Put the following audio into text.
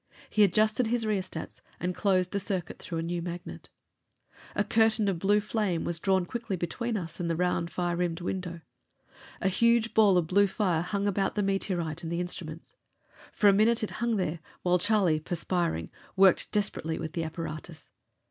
He adjusted his rheostats and closed the circuit through the new magnet. A curtain of blue flame was drawn quickly between us and the round, fire rimmed window. A huge ball of blue fire hung, about the meteorite and the instruments. For minutes it hung there, while Charlie, perspiring, worked desperately with the apparatus.